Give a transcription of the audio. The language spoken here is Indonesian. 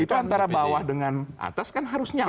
itu antara bawah dengan atas kan harus nyaman